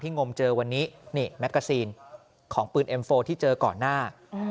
งมเจอวันนี้นี่แมกกาซีนของปืนเอ็มโฟที่เจอก่อนหน้า